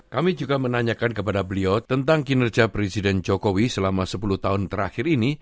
kami juga menanyakan kepada beliau tentang kinerja presiden jokowi selama sepuluh tahun terakhir ini